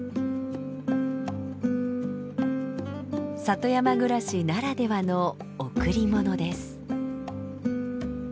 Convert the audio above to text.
里山暮らしならではの贈り物です。